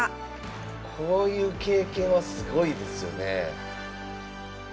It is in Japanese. こういう経験はすごいですよね。